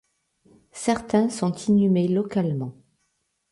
Certains sont inhumés localement.